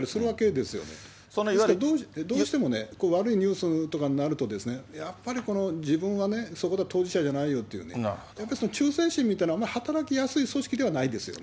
ですからどうしてもね、悪いニュースとかになると、やっぱり自分はそれが当事者じゃないよっていうね、やっぱりその忠誠心みたいなものが働きやすい組織ではないですよね。